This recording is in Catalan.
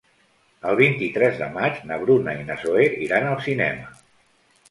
El vint-i-tres de maig na Bruna i na Zoè iran al cinema.